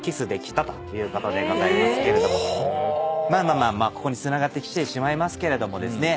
まあまあここにつながってきてしまいますけれどもですね。